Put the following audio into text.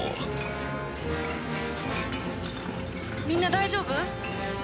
みんな大丈夫？